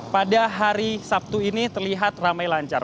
pada hari sabtu ini terlihat ramai lancar